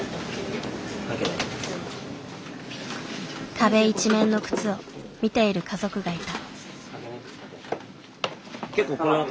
壁一面の靴を見ている家族がいた。